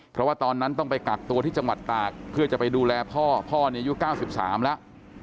เพราะว่าตอนนั้นต้องไปกักตัวที่จังหวัดตากเพื่อจะไปดูแลพ่อพ่อเนี่ยอายุ๙๓แล้ว